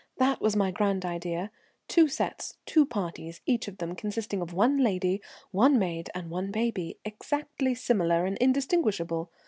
That was my grand idea. Two sets, two parties, each of them consisting of one lady, one maid, and one baby, exactly similar and indistinguishable.